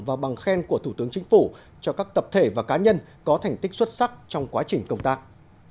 và bằng khen của thủ tướng chính phủ cho các tập thể và cá nhân có thành tích xuất sắc trong quá trình công tác